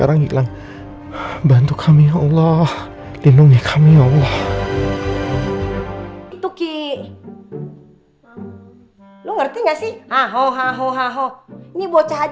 tau lagi mobil ini mau pergi ke mana